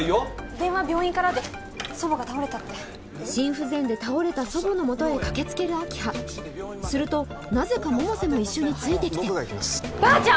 電話病院からで祖母が倒れたって心不全で倒れた祖母のもとへ駆けつける明葉するとなぜか百瀬も一緒についてきてばあちゃん！